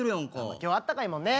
今日あったかいもんね。